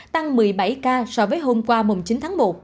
tăng một mươi bảy ca so với hôm qua chín tháng một